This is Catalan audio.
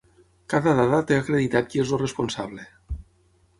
Cada dada té acreditat qui és el responsable.